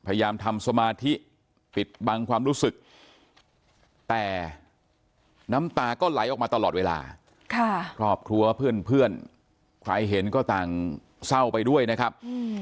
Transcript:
พยายามทำสมาธิปิดบังความรู้สึกแต่น้ำตาก็ไหลออกมาตลอดเวลาครอบครัวเพื่อนใครเห็นก็ต่างเศร้าไปด้วยนะครับ